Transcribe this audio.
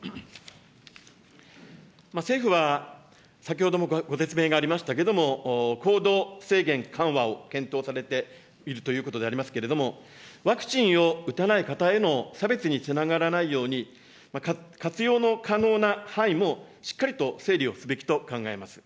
政府は、先ほどもご説明がありましたけれども、行動制限緩和を検討されているということでありますけれども、ワクチンを打たない方への差別につながらないように、活用の可能な範囲もしっかりと整理をすべきと考えます。